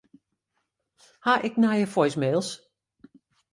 Ha ik nije voicemails?